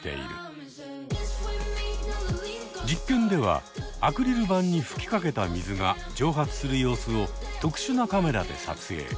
実験ではアクリル板に吹きかけた水が蒸発する様子を特殊なカメラで撮影。